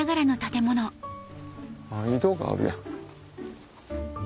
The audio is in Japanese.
井戸があるやん。